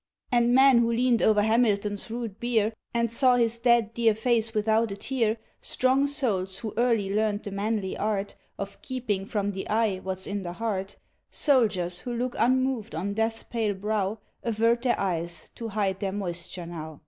And men who leaned o'er Hamilton's rude bier And saw his dead dear face without a tear, Strong souls who early learned the manly art Of keeping from the eye what's in the heart, Soldiers who look unmoved on death's pale brow, Avert their eyes, to hide their moisture now.